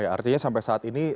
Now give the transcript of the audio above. artinya sampai saat ini